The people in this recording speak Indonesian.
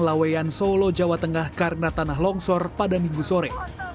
laweyan solo jawa tengah karena tanah longsor pada minggu sore